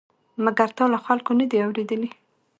مګر تا له خلکو نه دي اورېدلي؟